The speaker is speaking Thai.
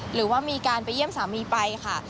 หรือว่ามีการไปเยี่ยมสามีไปค่ะ